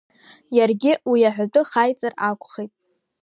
Иаргьы уи аҳәатәы хаиҵар ақәхеит…